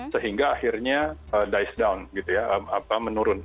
sehingga akhirnya diis down gitu ya menurun